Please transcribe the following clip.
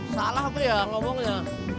salah tuh ya ngomongnya